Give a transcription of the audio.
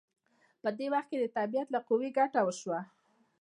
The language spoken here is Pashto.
په دې وخت کې د طبیعت له قوې ګټه وشوه.